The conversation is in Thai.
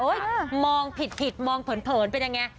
โอ๊ยมองผิดมองเผินเป็นอย่างไร